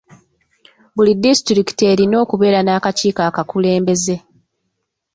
Buli disitulikiti erina okubeera n'akakiiko akakulembeze.